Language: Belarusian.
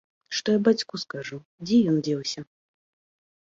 Што я бацьку скажу, дзе ён дзеўся?